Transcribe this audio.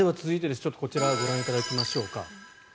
ちょっとこちらをご覧いただきましょうか。